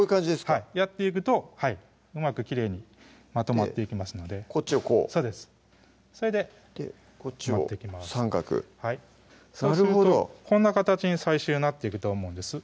はいやっていくとうまくきれいにまとまっていきますのでこっちをこうそうですこっちを三角はいそうするとこんな形に最終なっていくと思うんです